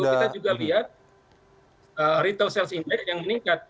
nah selain itu kita juga lihat retail sales index yang meningkat